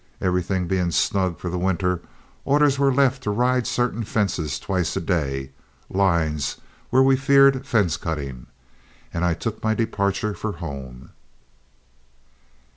Everything being snug for the winter, orders were left to ride certain fences twice a day, lines where we feared fence cutting, and I took my departure for home.